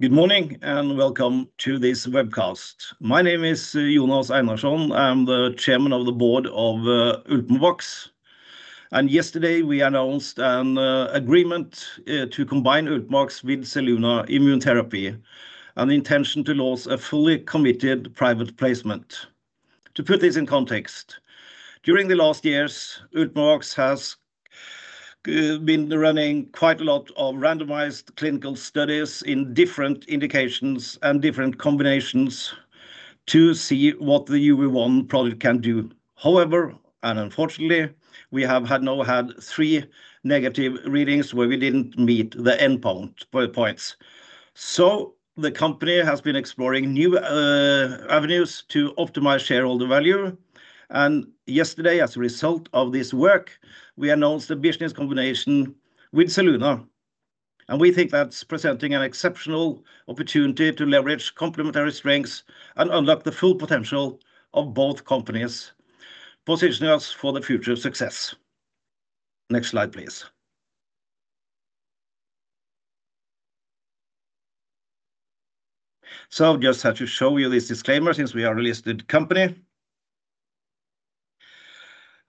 Good morning and welcome to this webcast. My name is Jonas Einarsson, and I'm the Chairman of the Board of Ultimovacs. Yesterday we announced an agreement to combine Ultimovacs with Zelluna Immunotherapy, an intention to launch a fully committed private placement. To put this in context, during the last years, Ultimovacs has been running quite a lot of randomized clinical studies in different indications and different combinations to see what the UV1 product can do. However, and unfortunately, we have had three negative readouts where we didn't meet the endpoints. The company has been exploring new avenues to optimize shareholder value. Yesterday, as a result of this work, we announced a business combination with Zelluna. We think that's presenting an exceptional opportunity to leverage complementary strengths and unlock the full potential of both companies, positioning us for the future success. Next slide, please, so I've just had to show you this disclaimer since we are a listed company,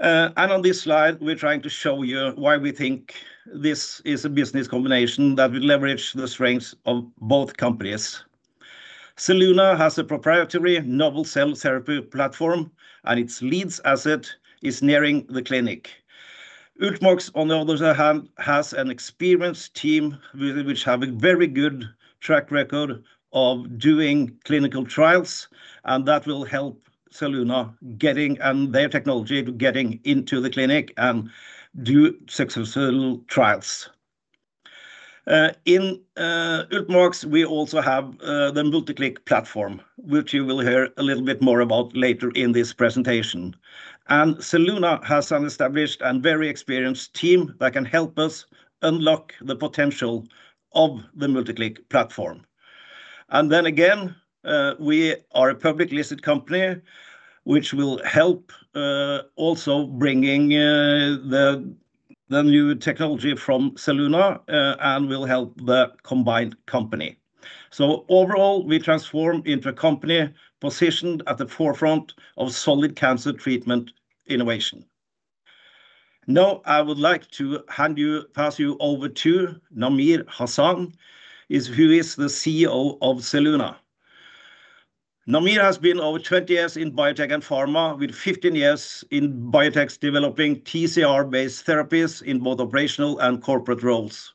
and on this slide, we're trying to show you why we think this is a business combination that will leverage the strengths of both companies. Zelluna has a proprietary novel cell therapy platform, and its lead asset is nearing the clinic. Ultimovacs, on the other hand, has an experienced team which have a very good track record of doing clinical trials, and that will help Zelluna and their technology get into the clinic and do successful trials. In Ultimovacs, we also have the MultiClick platform, which you will hear a little bit more about later in this presentation, and Zelluna has an established and very experienced team that can help us unlock the potential of the MultiClick platform. And then again, we are a public listed company which will help also bringing the new technology from Zelluna and will help the combined company. So overall, we transform into a company positioned at the forefront of solid cancer treatment innovation. Now I would like to pass you over to Namir Hassan, who is the CEO of Zelluna. Namir has been over 20 years in biotech and pharma, with 15 years in biotechs developing TCR-based therapies in both operational and corporate roles.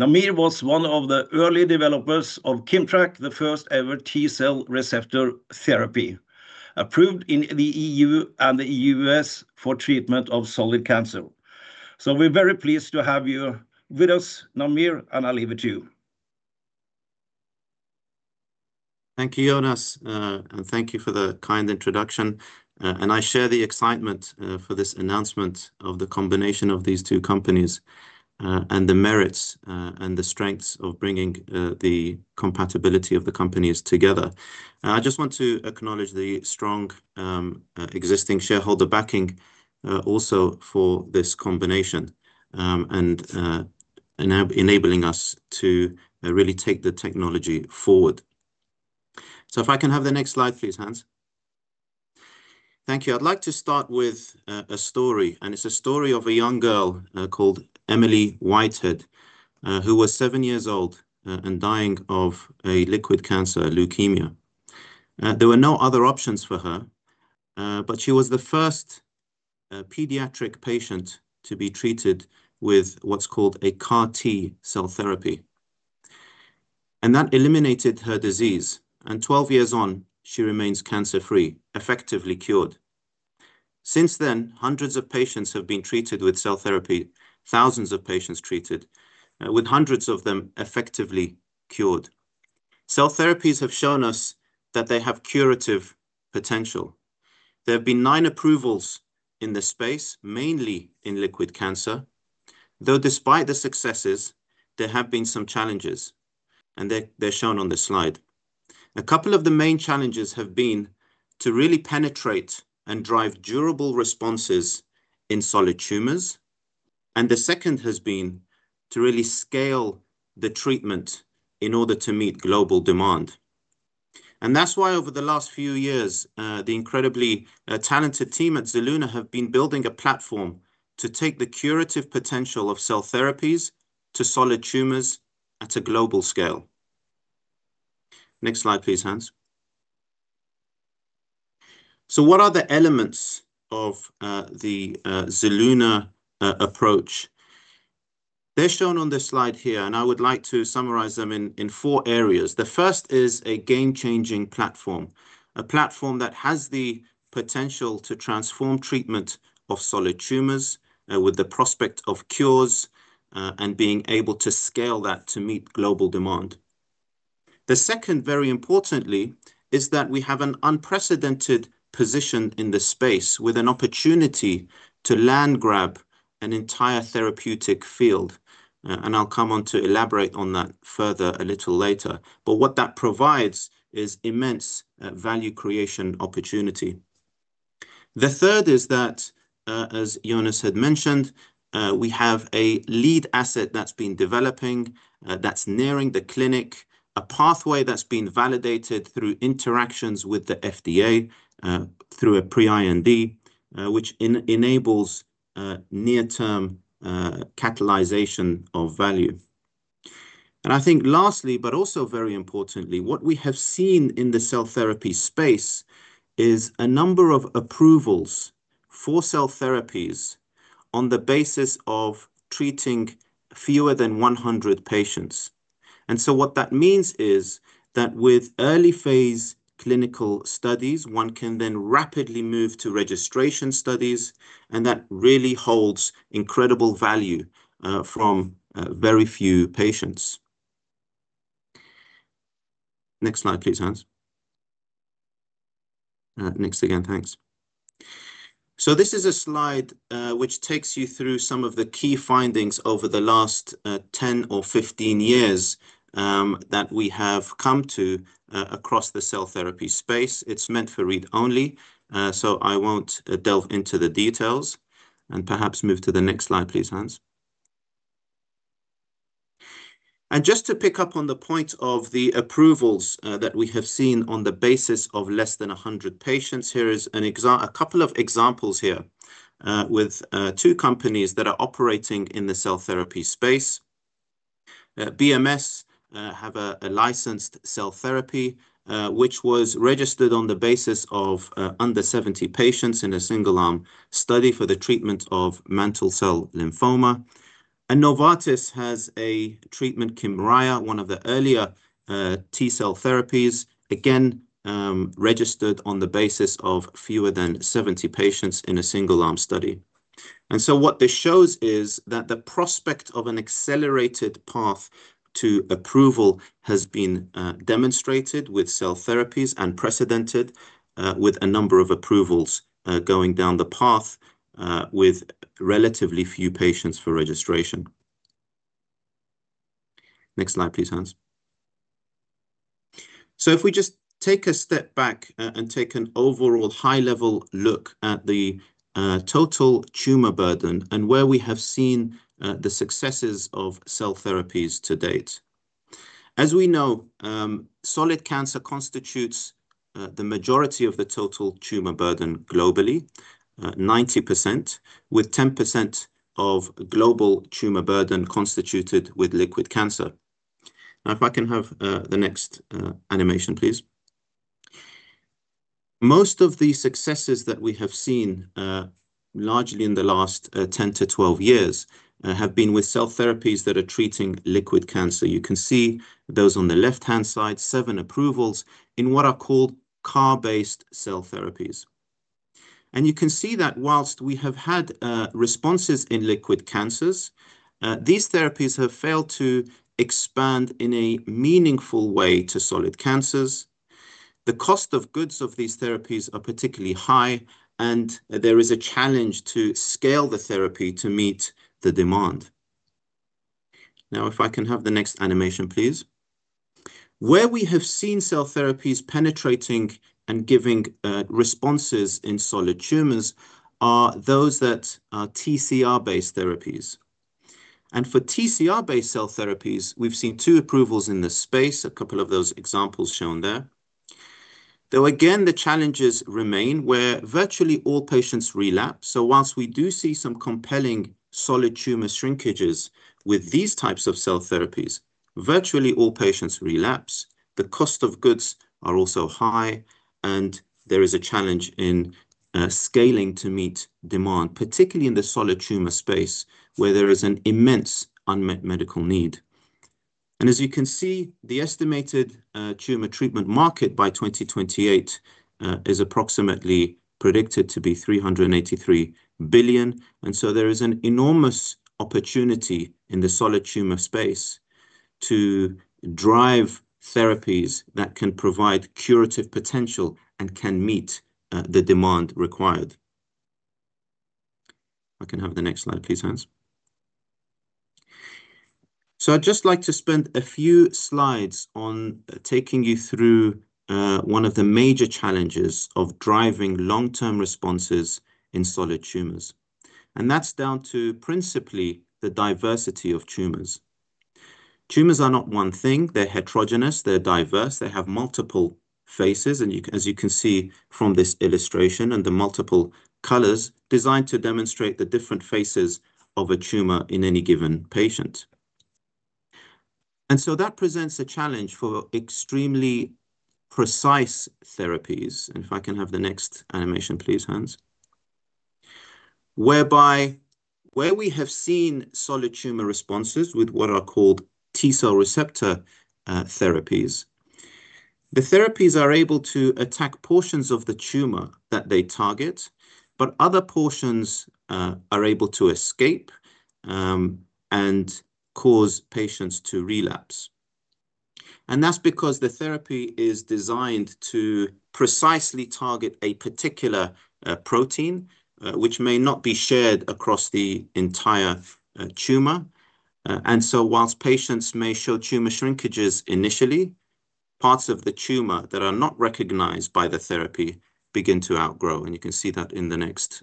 Namir was one of the early developers of Kimmtrak, the first ever T cell receptor therapy approved in the EU and the US for treatment of solid cancer. So we're very pleased to have you with us, Namir, and I'll leave it to you. Thank you, Jonas, and thank you for the kind introduction. I share the excitement for this announcement of the combination of these two companies and the merits and the strengths of bringing the compatibility of the companies together. I just want to acknowledge the strong existing shareholder backing also for this combination and enabling us to really take the technology forward. If I can have the next slide, please, Hans. Thank you. I'd like to start with a story, and it's a story of a young girl called Emily Whitehead, who was seven years old and dying of a liquid cancer, leukemia. There were no other options for her, but she was the first pediatric patient to be treated with what's called a CAR T-cell therapy. That eliminated her disease. 12 years on, she remains cancer-free, effectively cured. Since then, hundreds of patients have been treated with cell therapy. Thousands of patients have been treated, with hundreds of them effectively cured. Cell therapies have shown us that they have curative potential. There have been nine approvals in the space, mainly in liquid cancer. Though despite the successes, there have been some challenges, and they're shown on the slide. A couple of the main challenges have been to really penetrate and drive durable responses in solid tumors. The second has been to really scale the treatment in order to meet global demand. That's why over the last few years, the incredibly talented team at Zelluna have been building a platform to take the curative potential of cell therapies to solid tumors at a global scale. Next slide, please, Hans. What are the elements of the Zelluna approach? They're shown on this slide here, and I would like to summarize them in four areas. The first is a game-changing platform, a platform that has the potential to transform treatment of solid tumors with the prospect of cures and being able to scale that to meet global demand. The second, very importantly, is that we have an unprecedented position in the space with an opportunity to landgrab an entire therapeutic field, and I'll come on to elaborate on that further a little later, but what that provides is immense value creation opportunity. The third is that, as Jonas had mentioned, we have a lead asset that's been developing that's nearing the clinic, a pathway that's been validated through interactions with the FDA through a pre-IND, which enables near-term catalyzation of value. And I think lastly, but also very importantly, what we have seen in the cell therapy space is a number of approvals for cell therapies on the basis of treating fewer than 100 patients. And so what that means is that with early phase clinical studies, one can then rapidly move to registration studies, and that really holds incredible value from very few patients. Next slide, please, Hans. Next again, thanks. So this is a slide which takes you through some of the key findings over the last 10 or 15 years that we have come across the cell therapy space. It's meant for read only, so I won't delve into the details and perhaps move to the next slide, please, Hans. Just to pick up on the point of the approvals that we have seen on the basis of less than 100 patients, here is a couple of examples here with two companies that are operating in the cell therapy space. BMS have a licensed cell therapy which was registered on the basis of under 70 patients in a single-arm study for the treatment of mantle cell lymphoma. Novartis has a treatment, Kymriah, one of the earlier T-cell therapies, again registered on the basis of fewer than 70 patients in a single-arm study. What this shows is that the prospect of an accelerated path to approval has been demonstrated with cell therapies and precedented with a number of approvals going down the path with relatively few patients for registration. Next slide, please, Hans. If we just take a step back and take an overall high-level look at the total tumor burden and where we have seen the successes of cell therapies to date. As we know, solid cancer constitutes the majority of the total tumor burden globally, 90%, with 10% of global tumor burden constituted with liquid cancer. Now, if I can have the next animation, please. Most of the successes that we have seen, largely in the last 10 to 12 years, have been with cell therapies that are treating liquid cancer. You can see those on the left-hand side, seven approvals in what are called CAR-based cell therapies. You can see that while we have had responses in liquid cancers, these therapies have failed to expand in a meaningful way to solid cancers. The cost of goods of these therapies are particularly high, and there is a challenge to scale the therapy to meet the demand. Now, if I can have the next animation, please. Where we have seen cell therapies penetrating and giving responses in solid tumors are those that are TCR-based therapies. And for TCR-based cell therapies, we've seen two approvals in this space, a couple of those examples shown there. Though again, the challenges remain where virtually all patients relapse. So whilst we do see some compelling solid tumor shrinkages with these types of cell therapies, virtually all patients relapse. The cost of goods are also high, and there is a challenge in scaling to meet demand, particularly in the solid tumor space where there is an immense unmet medical need. And as you can see, the estimated tumor treatment market by 2028 is approximately predicted to be $383 billion. And so there is an enormous opportunity in the solid tumor space to drive therapies that can provide curative potential and can meet the demand required. I can have the next slide, please, Hans. So I'd just like to spend a few slides on taking you through one of the major challenges of driving long-term responses in solid tumors. And that's down to principally the diversity of tumors. Tumors are not one thing. They're heterogeneous. They're diverse. They have multiple faces. And as you can see from this illustration and the multiple colors, designed to demonstrate the different faces of a tumor in any given patient. And so that presents a challenge for extremely precise therapies. And if I can have the next animation, please, Hans. Whereby, where we have seen solid tumor responses with what are called T-cell receptor therapies, the therapies are able to attack portions of the tumor that they target, but other portions are able to escape and cause patients to relapse. And that's because the therapy is designed to precisely target a particular protein, which may not be shared across the entire tumor. And so while patients may show tumor shrinkages initially, parts of the tumor that are not recognized by the therapy begin to outgrow. And you can see that in the next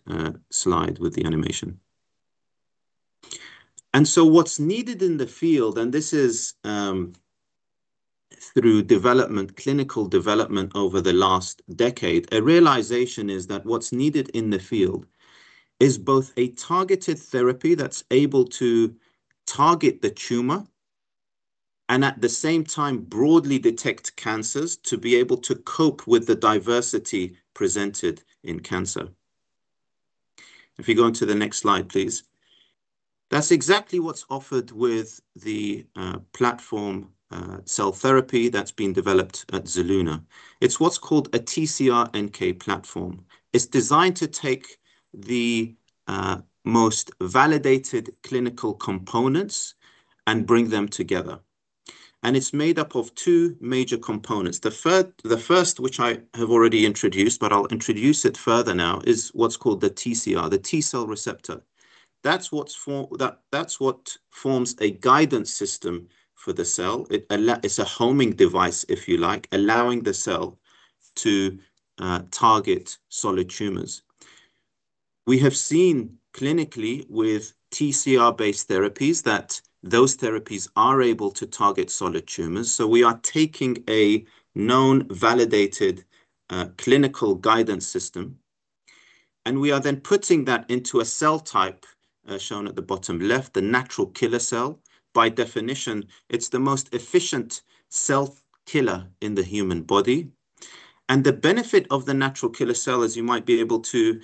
slide with the animation. And so what's needed in the field, and this is through development, clinical development over the last decade, a realization is that what's needed in the field is both a targeted therapy that's able to target the tumor and at the same time broadly detect cancers to be able to cope with the diversity presented in cancer. If you go on to the next slide, please. That's exactly what's offered with the platform cell therapy that's been developed at Zelluna. It's what's called a TCR-NK platform. It's designed to take the most validated clinical components and bring them together. And it's made up of two major components. The first, which I have already introduced, but I'll introduce it further now, is what's called the TCR, the T-cell receptor. That's what forms a guidance system for the cell. It's a homing device, if you like, allowing the cell to target solid tumors. We have seen clinically with TCR-based therapies that those therapies are able to target solid tumors. So we are taking a known validated clinical guidance system, and we are then putting that into a cell type shown at the bottom left, the natural killer cell. By definition, it's the most efficient cell killer in the human body. And the benefit of the natural killer cell, as you might be able to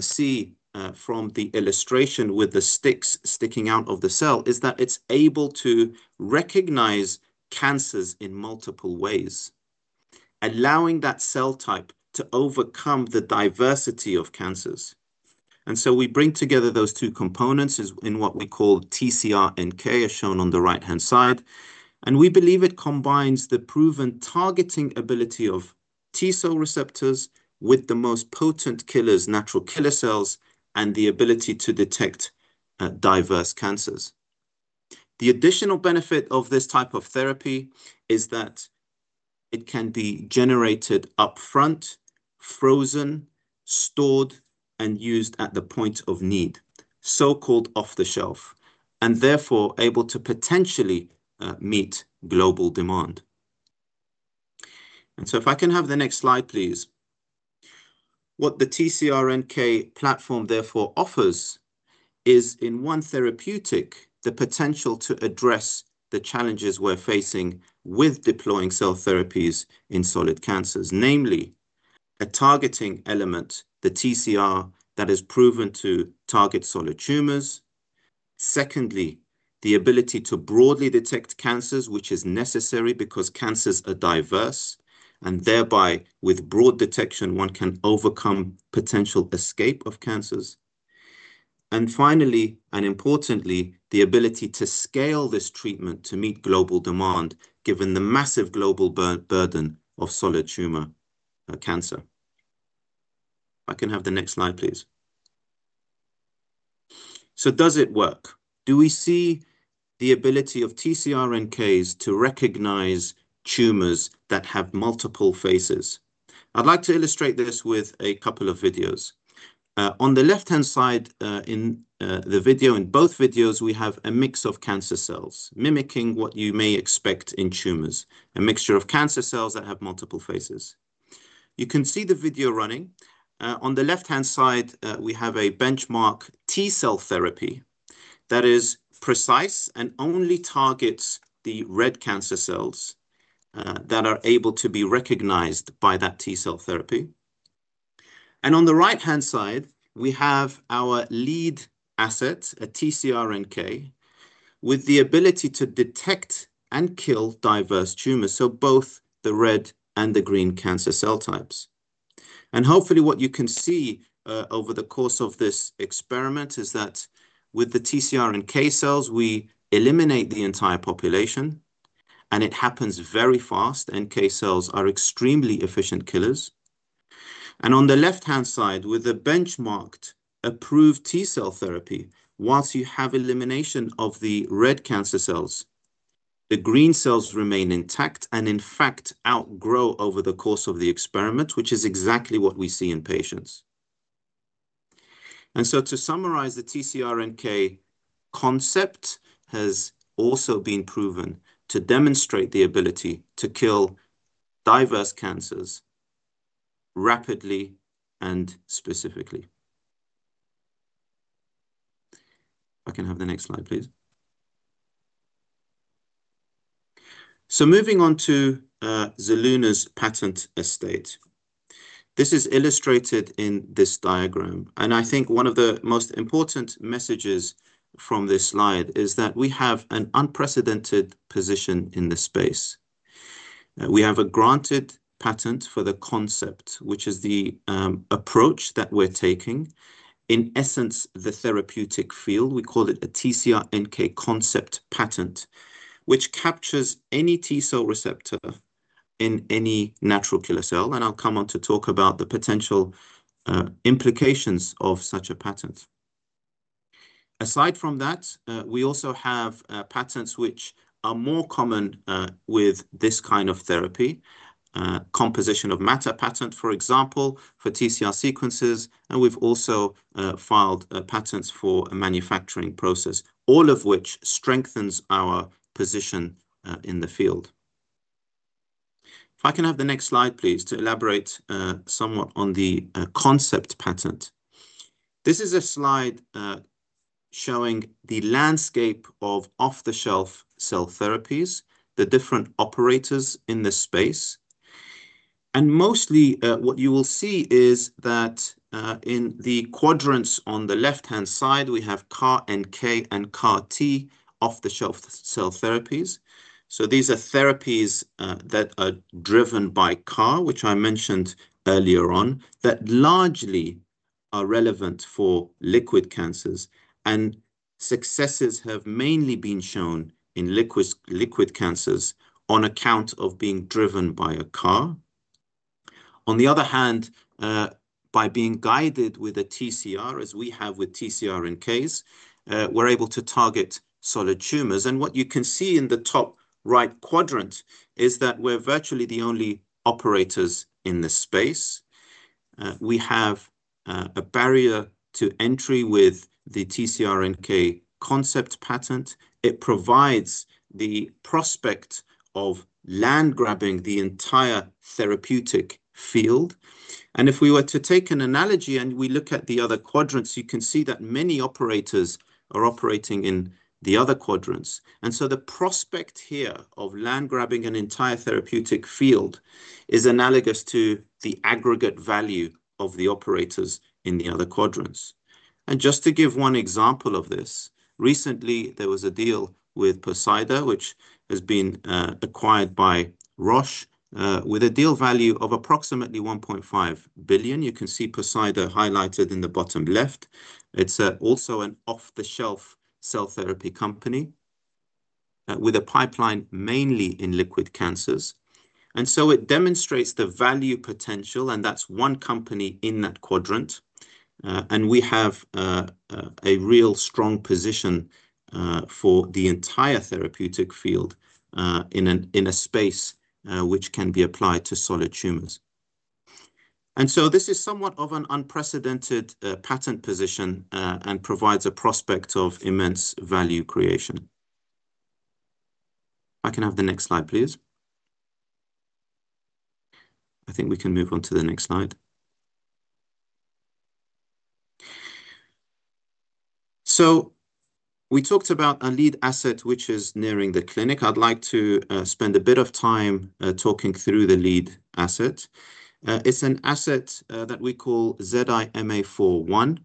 see from the illustration with the sticks sticking out of the cell, is that it's able to recognize cancers in multiple ways, allowing that cell type to overcome the diversity of cancers. And so we bring together those two components in what we call TCR-NK, as shown on the right-hand side. We believe it combines the proven targeting ability of T-cell receptors with the most potent killers, natural killer cells, and the ability to detect diverse cancers. The additional benefit of this type of therapy is that it can be generated upfront, frozen, stored, and used at the point of need, so-called off the shelf, and therefore able to potentially meet global demand. So if I can have the next slide, please. What the TCR-NK platform therefore offers is, in one therapeutic, the potential to address the challenges we're facing with deploying cell therapies in solid cancers, namely a targeting element, the TCR, that is proven to target solid tumors. Secondly, the ability to broadly detect cancers, which is necessary because cancers are diverse, and thereby, with broad detection, one can overcome potential escape of cancers. Finally, and importantly, the ability to scale this treatment to meet global demand, given the massive global burden of solid tumor cancer. I can have the next slide, please. Does it work? Do we see the ability of TCR-NKs to recognize tumors that have multiple faces? I'd like to illustrate this with a couple of videos. On the left-hand side in the video, in both videos, we have a mix of cancer cells mimicking what you may expect in tumors, a mixture of cancer cells that have multiple faces. You can see the video running. On the left-hand side, we have a benchmark T-cell therapy that is precise and only targets the red cancer cells that are able to be recognized by that T-cell therapy. And on the right-hand side, we have our lead asset, a TCR-NK, with the ability to detect and kill diverse tumors, so both the red and the green cancer cell types. And hopefully, what you can see over the course of this experiment is that with the TCR-NK cells, we eliminate the entire population, and it happens very fast. NK cells are extremely efficient killers. And on the left-hand side, with the benchmarked approved T-cell therapy, while you have elimination of the red cancer cells, the green cells remain intact and, in fact, outgrow over the course of the experiment, which is exactly what we see in patients. And so to summarize, the TCR-NK concept has also been proven to demonstrate the ability to kill diverse cancers rapidly and specifically. I can have the next slide, please. So moving on to Zelluna's patent estate, this is illustrated in this diagram. And I think one of the most important messages from this slide is that we have an unprecedented position in the space. We have a granted patent for the concept, which is the approach that we're taking. In essence, the therapeutic field, we call it a TCR-NK concept patent, which captures any T-cell receptor in any natural killer cell. And I'll come on to talk about the potential implications of such a patent. Aside from that, we also have patents which are more common with this kind of therapy, composition of matter patent, for example, for TCR sequences. And we've also filed patents for a manufacturing process, all of which strengthens our position in the field. If I can have the next slide, please, to elaborate somewhat on the concept patent. This is a slide showing the landscape of off-the-shelf cell therapies, the different operators in this space. Mostly, what you will see is that in the quadrants on the left-hand side, we have CAR-NK and CAR-T off-the-shelf cell therapies. These are therapies that are driven by CAR, which I mentioned earlier on, that largely are relevant for liquid cancers. Successes have mainly been shown in liquid cancers on account of being driven by a CAR. On the other hand, by being guided with a TCR, as we have with TCR-NKs, we're able to target solid tumors. What you can see in the top right quadrant is that we're virtually the only operators in this space. We have a barrier to entry with the TCR-NK concept patent. It provides the prospect of land-grabbing the entire therapeutic field. If we were to take an analogy and we look at the other quadrants, you can see that many operators are operating in the other quadrants. And so the prospect here of land-grabbing an entire therapeutic field is analogous to the aggregate value of the operators in the other quadrants. And just to give one example of this, recently, there was a deal with Poseida, which has been acquired by Roche, with a deal value of approximately $1.5 billion. You can see Poseida highlighted in the bottom left. It's also an off-the-shelf cell therapy company with a pipeline mainly in liquid cancers. And so it demonstrates the value potential, and that's one company in that quadrant. And we have a real strong position for the entire therapeutic field in a space which can be applied to solid tumors. This is somewhat of an unprecedented patent position and provides a prospect of immense value creation. I can have the next slide, please. I think we can move on to the next slide. We talked about a lead asset which is nearing the clinic. I'd like to spend a bit of time talking through the lead asset. It's an asset that we call ZI-MA4-1,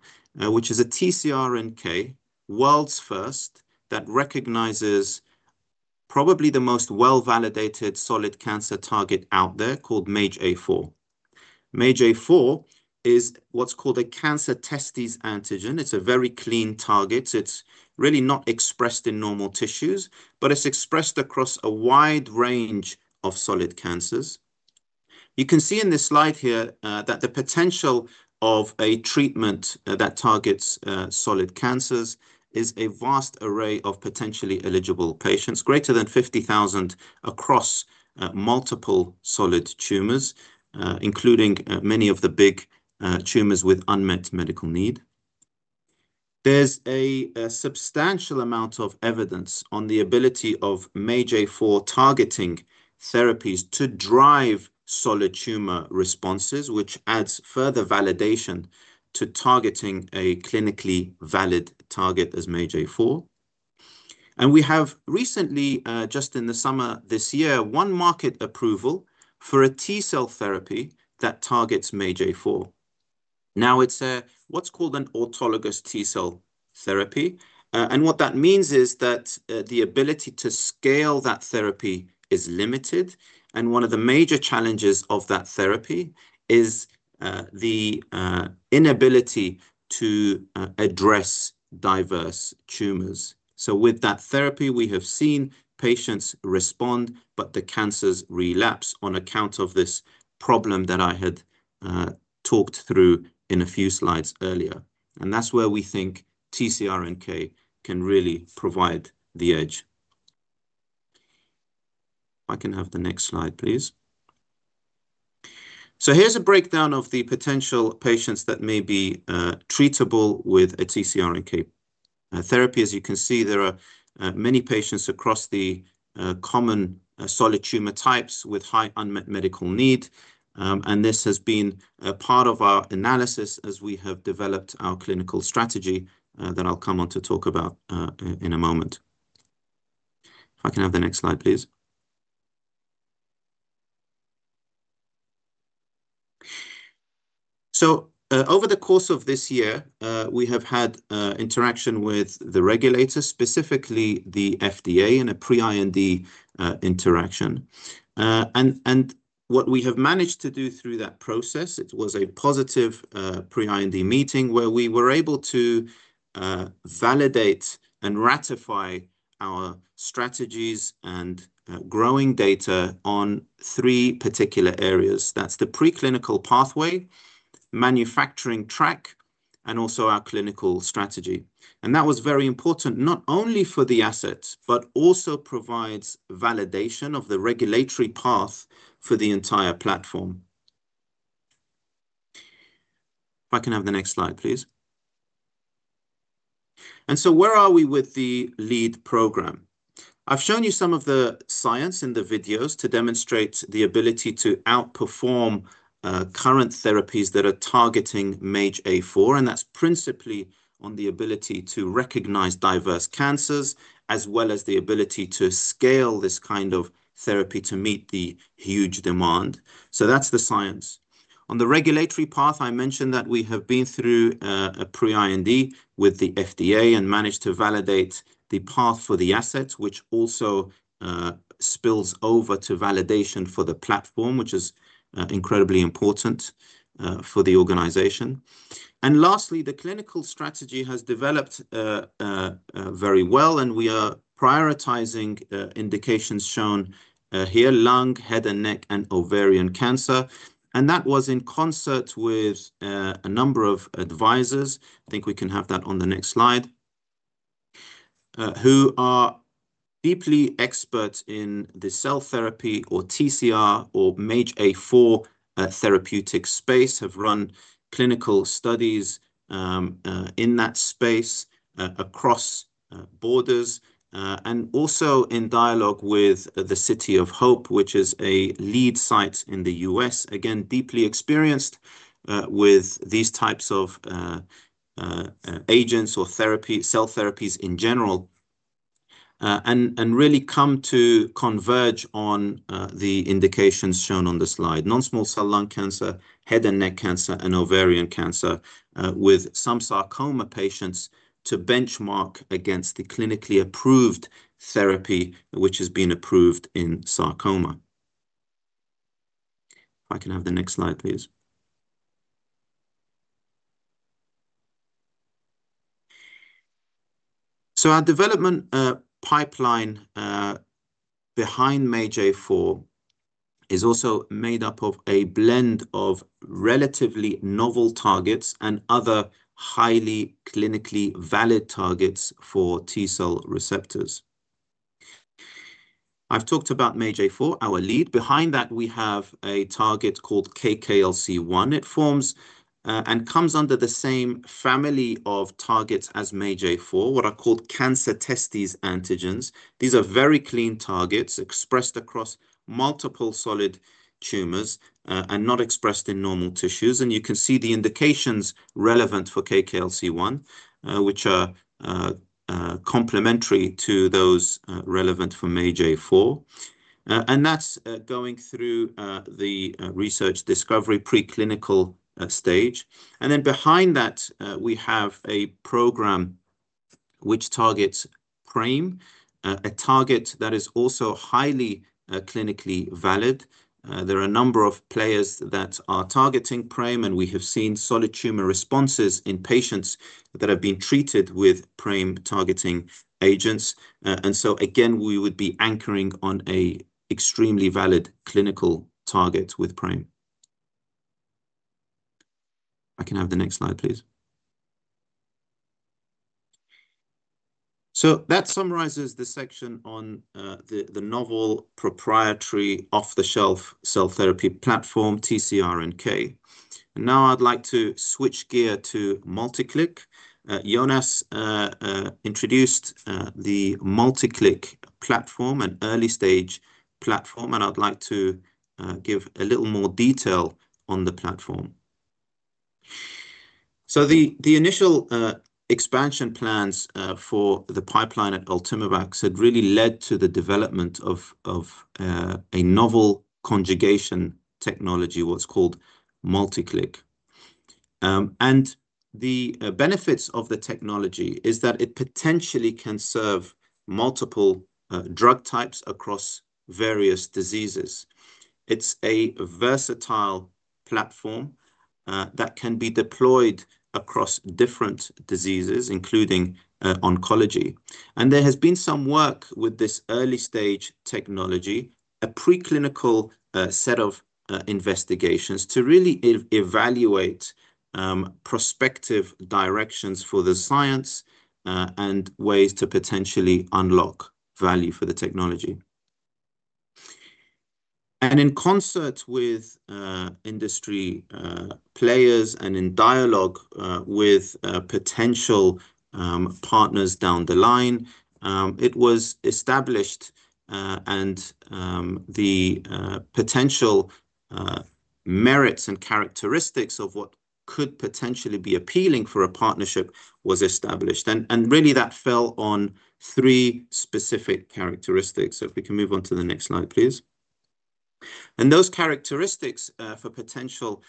which is a TCR-NK world's first that recognizes probably the most well-validated solid cancer target out there called MAGE-A4. MAGE-A4 is what's called a cancer testis antigen. It's a very clean target. It's really not expressed in normal tissues, but it's expressed across a wide range of solid cancers. You can see in this slide here that the potential of a treatment that targets solid cancers is a vast array of potentially eligible patients, greater than 50,000 across multiple solid tumors, including many of the big tumors with unmet medical need. There's a substantial amount of evidence on the ability of MAGE-A4 targeting therapies to drive solid tumor responses, which adds further validation to targeting a clinically valid target as MAGE-A4. And we have recently, just in the summer this year, one market approval for a T-cell therapy that targets MAGE-A4. Now, it's what's called an autologous T cell therapy. And what that means is that the ability to scale that therapy is limited. And one of the major challenges of that therapy is the inability to address diverse tumors. So with that therapy, we have seen patients respond, but the cancers relapse on account of this problem that I had talked through in a few slides earlier. And that's where we think TCR-NK can really provide the edge. I can have the next slide, please. So here's a breakdown of the potential patients that may be treatable with a TCR-NK therapy. As you can see, there are many patients across the common solid tumor types with high unmet medical need. And this has been a part of our analysis as we have developed our clinical strategy that I'll come on to talk about in a moment. If I can have the next slide, please. So over the course of this year, we have had interaction with the regulator, specifically the FDA, in a pre-IND interaction. And what we have managed to do through that process, it was a positive pre-IND meeting where we were able to validate and ratify our strategies and growing data on three particular areas. That's the preclinical pathway, manufacturing track, and also our clinical strategy. And that was very important, not only for the assets, but also provides validation of the regulatory path for the entire platform. If I can have the next slide, please. And so where are we with the lead program? I've shown you some of the science in the videos to demonstrate the ability to outperform current therapies that are targeting MAGE-A4. And that's principally on the ability to recognize diverse cancers, as well as the ability to scale this kind of therapy to meet the huge demand. So that's the science. On the regulatory path, I mentioned that we have been through a pre-IND with the FDA and managed to validate the path for the assets, which also spills over to validation for the platform, which is incredibly important for the organization, and lastly, the clinical strategy has developed very well, and we are prioritizing indications shown here, lung, head, and neck, and ovarian cancer, and that was in concert with a number of advisors. I think we can have that on the next slide, who are deeply experts in the cell therapy or TCR or MAGE-A4 therapeutic space, have run clinical studies in that space across borders and also in dialogue with the City of Hope, which is a lead site in the U.S., again, deeply experienced with these types of agents or cell therapies in general, and really come to converge on the indications shown on the slide, non-small cell lung cancer, head and neck cancer, and ovarian cancer with some sarcoma patients to benchmark against the clinically approved therapy, which has been approved in sarcoma. If I can have the next slide, please. So our development pipeline behind MAGE-A4 is also made up of a blend of relatively novel targets and other highly clinically valid targets for T-cell receptors. I've talked about MAGE-A4, our lead. Behind that, we have a target called KK-LC-1. It forms and comes under the same family of targets as MAGE-A4, what are called cancer-testis antigens. These are very clean targets expressed across multiple solid tumors and not expressed in normal tissues. And you can see the indications relevant for KK-LC-1, which are complementary to those relevant for MAGE-A4. And that's going through the research discovery preclinical stage. And then behind that, we have a program which targets PRAME, a target that is also highly clinically valid. There are a number of players that are targeting PRAME, and we have seen solid tumor responses in patients that have been treated with PRAME-targeting agents. And so, again, we would be anchoring on an extremely valid clinical target with PRAME. I can have the next slide, please. So that summarizes the section on the novel proprietary off-the-shelf cell therapy platform, TCR-NK. And now I'd like to switch gear to MultiClick. Jonas introduced the MultiClick platform, an early-stage platform, and I'd like to give a little more detail on the platform. So the initial expansion plans for the pipeline at Ultimovacs had really led to the development of a novel conjugation technology, what's called MultiClick. And the benefits of the technology is that it potentially can serve multiple drug types across various diseases. It's a versatile platform that can be deployed across different diseases, including oncology. And there has been some work with this early-stage technology, a preclinical set of investigations to really evaluate prospective directions for the science and ways to potentially unlock value for the technology. And in concert with industry players and in dialogue with potential partners down the line, it was established, and the potential merits and characteristics of what could potentially be appealing for a partnership was established. And really, that fell on three specific characteristics. So if we can move on to the next slide, please. And those characteristics for potential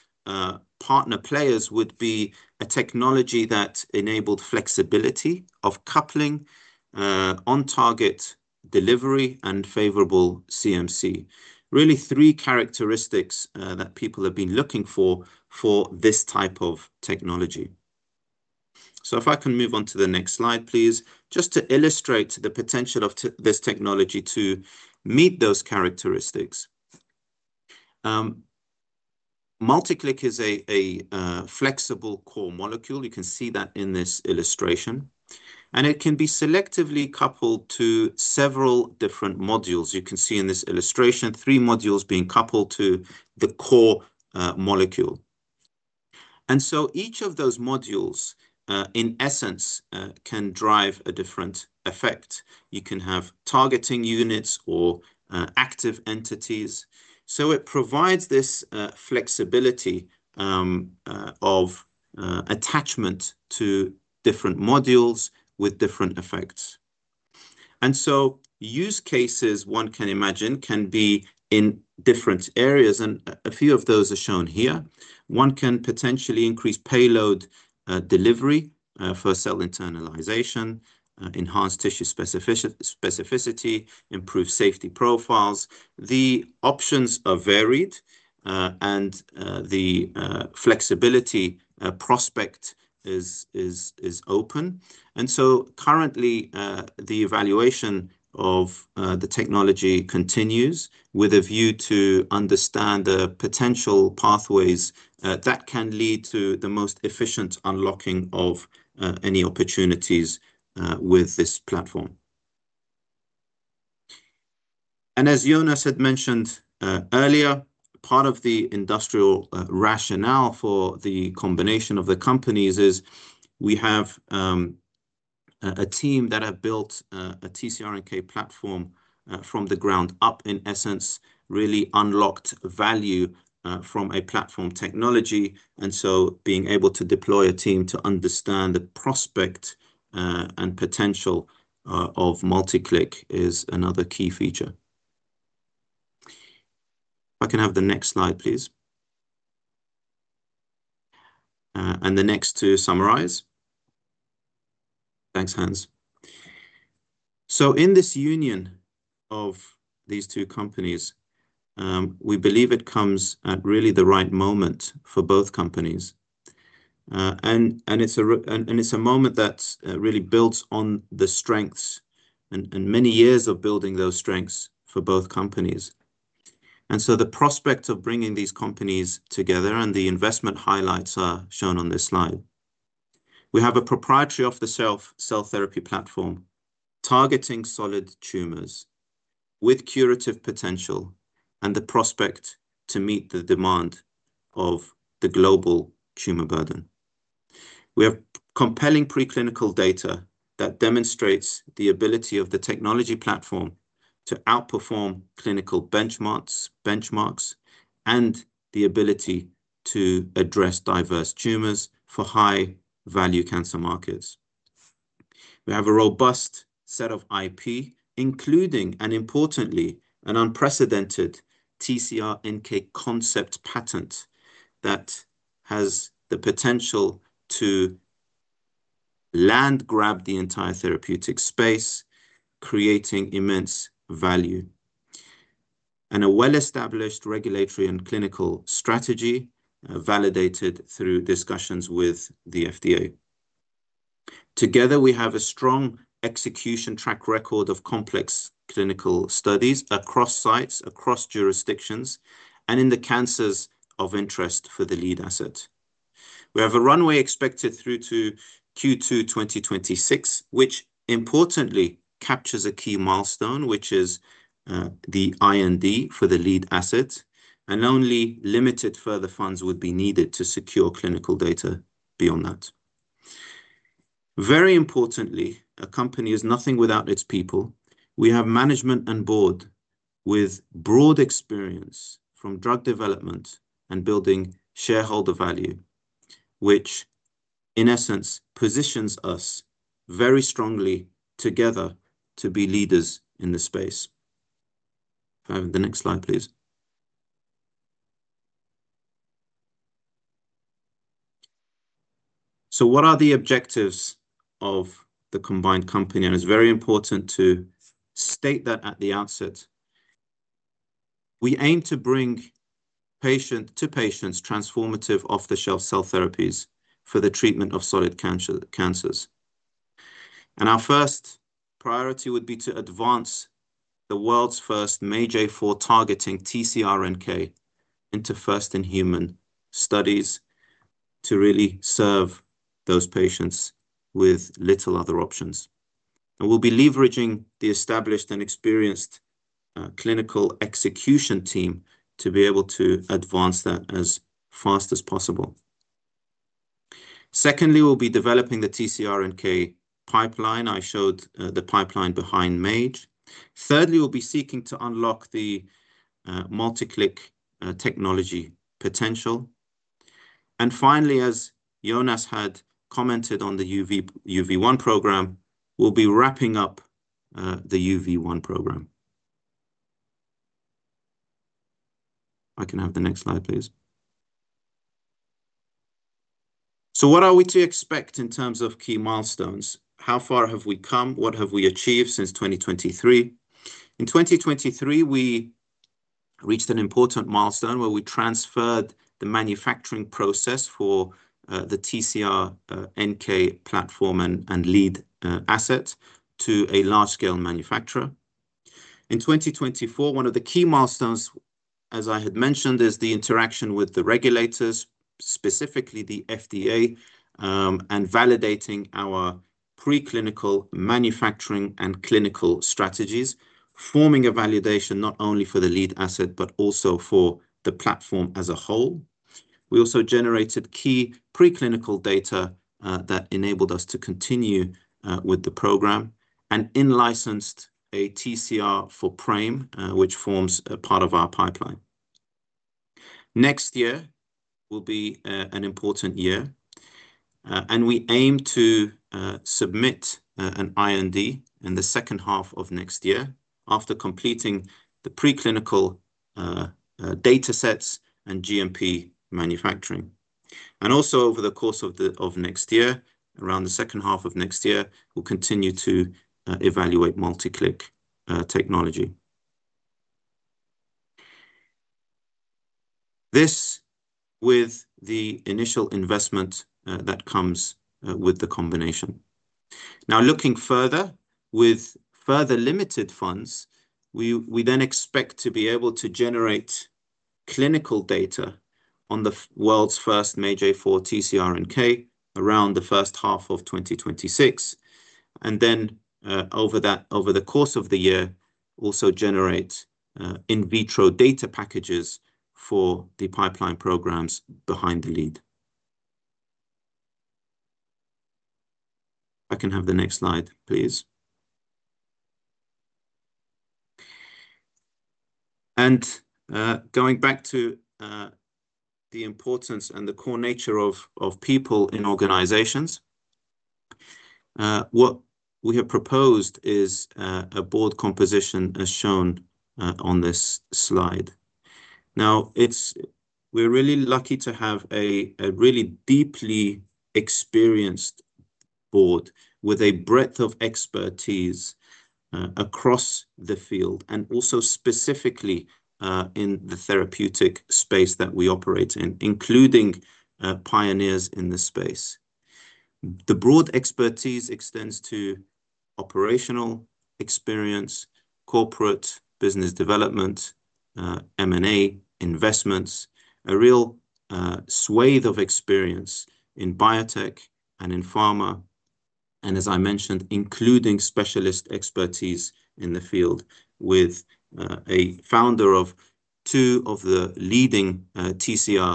partner players would be a technology that enabled flexibility of coupling, on-target delivery, and favorable CMC. Really, three characteristics that people have been looking for this type of technology. So if I can move on to the next slide, please, just to illustrate the potential of this technology to meet those characteristics. MultiClick is a flexible core molecule. You can see that in this illustration. And it can be selectively coupled to several different modules. You can see in this illustration, three modules being coupled to the core molecule. And so each of those modules, in essence, can drive a different effect. You can have targeting units or active entities. So it provides this flexibility of attachment to different modules with different effects. And so use cases, one can imagine, can be in different areas. And a few of those are shown here. One can potentially increase payload delivery for cell internalization, enhance tissue specificity, improve safety profiles. The options are varied, and the flexibility prospect is open. And so currently, the evaluation of the technology continues with a view to understand the potential pathways that can lead to the most efficient unlocking of any opportunities with this platform. As Jonas had mentioned earlier, part of the industrial rationale for the combination of the companies is we have a team that have built a TCR-NK platform from the ground up, in essence, really unlocked value from a platform technology. Being able to deploy a team to understand the prospect and potential of MultiClick is another key feature. I can have the next slide, please. And the next to summarize. Thanks, Hans. In this union of these two companies, we believe it comes at really the right moment for both companies. It is a moment that really builds on the strengths and many years of building those strengths for both companies. The prospect of bringing these companies together and the investment highlights are shown on this slide. We have a proprietary off-the-shelf cell therapy platform targeting solid tumors with curative potential and the prospect to meet the demand of the global tumor burden. We have compelling preclinical data that demonstrates the ability of the technology platform to outperform clinical benchmarks and the ability to address diverse tumors for high-value cancer markets. We have a robust set of IP, including, and importantly, an unprecedented TCR-NK concept patent that has the potential to land-grab the entire therapeutic space, creating immense value, and a well-established regulatory and clinical strategy validated through discussions with the FDA. Together, we have a strong execution track record of complex clinical studies across sites, across jurisdictions, and in the cancers of interest for the lead asset. We have a runway expected through to Q2 2026, which importantly captures a key milestone, which is the IND for the lead asset. And only limited further funds would be needed to secure clinical data beyond that. Very importantly, a company is nothing without its people. We have management and board with broad experience from drug development and building shareholder value, which, in essence, positions us very strongly together to be leaders in the space. If I have the next slide, please. So what are the objectives of the combined company? And it's very important to state that at the outset. We aim to bring patient-to-patient transformative off-the-shelf cell therapies for the treatment of solid cancers. And our first priority would be to advance the world's first MAGE-A4 targeting TCR-NK into first-in-human studies to really serve those patients with little other options. And we'll be leveraging the established and experienced clinical execution team to be able to advance that as fast as possible. Secondly, we'll be developing the TCR-NK pipeline. I showed the pipeline behind MAGE. Thirdly, we'll be seeking to unlock the MultiClick technology potential. And finally, as Jonas had commented on the UV1 program, we'll be wrapping up the UV1 program. I can have the next slide, please. So what are we to expect in terms of key milestones? How far have we come? What have we achieved since 2023? In 2023, we reached an important milestone where we transferred the manufacturing process for the TCR-NK platform and lead asset to a large-scale manufacturer. In 2024, one of the key milestones, as I had mentioned, is the interaction with the regulators, specifically the FDA, and validating our preclinical manufacturing and clinical strategies, forming a validation not only for the lead asset, but also for the platform as a whole. We also generated key preclinical data that enabled us to continue with the program and in-licensed a TCR for PRAME, which forms a part of our pipeline. Next year will be an important year and we aim to submit an IND in the second half of next year after completing the preclinical data sets and GMP manufacturing and also, over the course of next year, around the second half of next year, we'll continue to evaluate MultiClick technology. This, with the initial investment that comes with the combination. Now, looking further with further limited funds, we then expect to be able to generate clinical data on the world's first MAGE-A4 TCR-NK around the first half of 2026 and then over the course of the year, also generate in vitro data packages for the pipeline programs behind the lead. I can have the next slide, please. Going back to the importance and the core nature of people in organizations, what we have proposed is a board composition as shown on this slide. Now, we're really lucky to have a really deeply experienced board with a breadth of expertise across the field and also specifically in the therapeutic space that we operate in, including pioneers in this space. The broad expertise extends to operational experience, corporate business development, M&A, investments, a real swathe of experience in biotech and in pharma. As I mentioned, including specialist expertise in the field with a founder of two of the leading TCR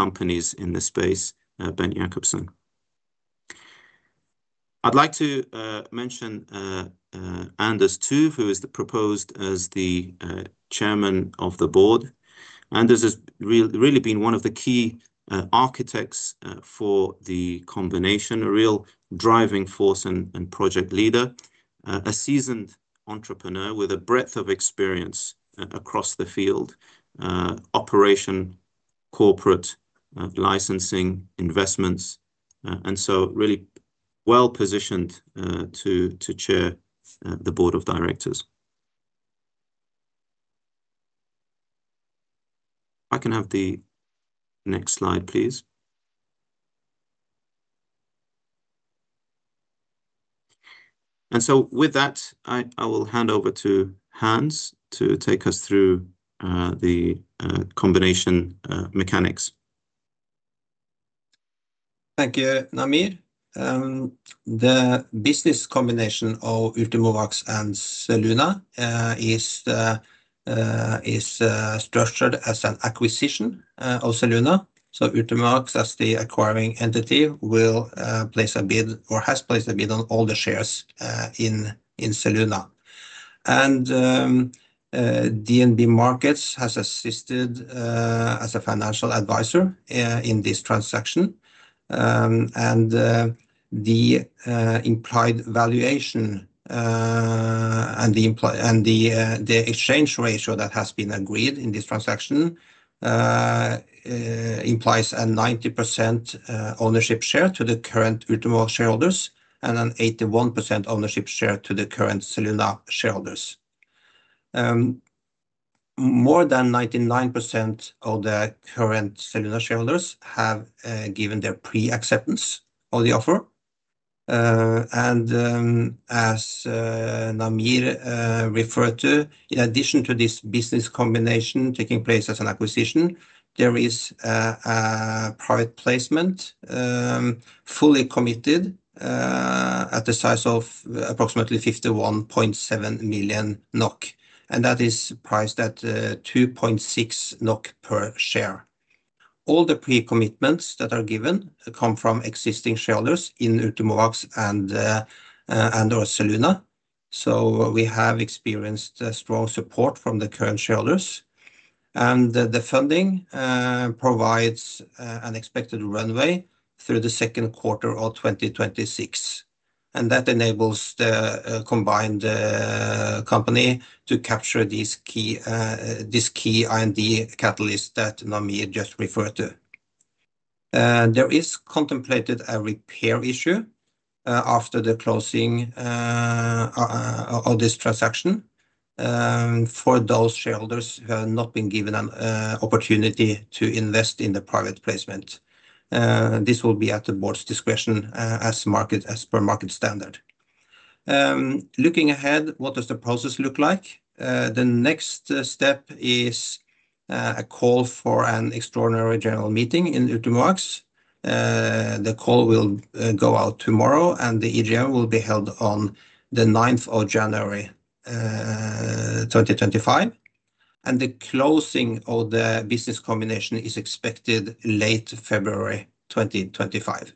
companies in the space, Bent Jakobsen. I'd like to mention Anders Tuv, who is proposed as the Chairman of the Board. Anders has really been one of the key architects for the combination, a real driving force and project leader, a seasoned entrepreneur with a breadth of experience across the field, operation, corporate licensing, investments, and so really well positioned to chair the board of directors. I can have the next slide, please. And so with that, I will hand over to Hans to take us through the combination mechanics. Thank you, Namir. The business combination of Ultimovacs and Zelluna is structured as an acquisition of Zelluna. So Ultimovacs, as the acquiring entity, will place a bid or has placed a bid on all the shares in Zelluna. And DNB Markets has assisted as a financial advisor in this transaction. The implied valuation and the exchange ratio that has been agreed in this transaction implies a 90% ownership share to the current Ultimovacs shareholders and an 81% ownership share to the current Zelluna shareholders. More than 99% of the current Zelluna shareholders have given their pre-acceptance of the offer. And as Namir referred to, in addition to this business combination taking place as an acquisition, there is a private placement fully committed at a size of approximately 51.7 million NOK. And that is priced at 2.6 NOK per share. All the pre-commitments that are given come from existing shareholders in Ultimovacs and/or Zelluna. So we have experienced strong support from the current shareholders. And the funding provides an expected runway through the second quarter of 2026. And that enables the combined company to capture this key IND catalyst that Namir just referred to. There is contemplated a repair issue after the closing of this transaction for those shareholders who have not been given an opportunity to invest in the private placement. This will be at the board's discretion as per market standard. Looking ahead, what does the process look like? The next step is a call for an extraordinary general meeting in Ultimovacs. The call will go out tomorrow, and the EGM will be held on the 9th of January 2025. And the closing of the business combination is expected late February 2025.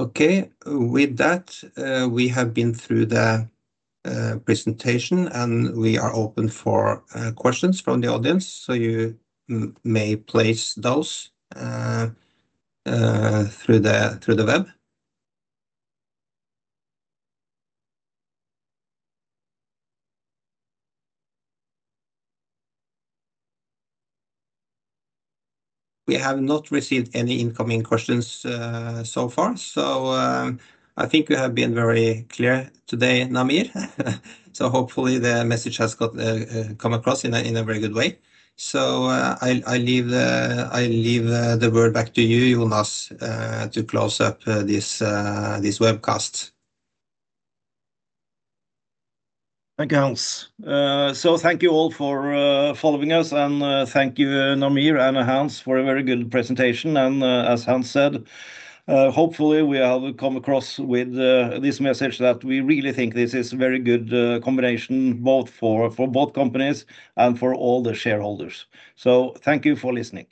Okay, with that, we have been through the presentation, and we are open for questions from the audience. So you may place those through the web. We have not received any incoming questions so far. So I think we have been very clear today, Namir. So hopefully the message has come across in a very good way. So I leave the word back to you, Jonas, to close up this webcast. Thank you, Hans. So thank you all for following us. And thank you, Namir and Hans, for a very good presentation. And as Hans said, hopefully we have come across with this message that we really think this is a very good combination both for both companies and for all the shareholders. So thank you for listening.